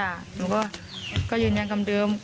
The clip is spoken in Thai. หรือว่าอย่างกันเดิม